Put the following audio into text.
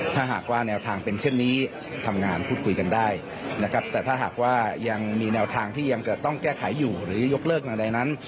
ถ้าหากว่าแนวทางเป็นเช่นนี้ทำงานพูดคุยกันได้นะครับแต่ถ้าหากว่ายังมีแนวทางที่ยังจะต้องแก้ไขอยู่หรือยกเลิกอะไรนั้น